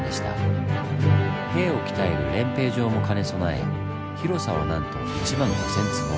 兵を鍛える練兵場も兼ね備え広さはなんと１万５０００坪！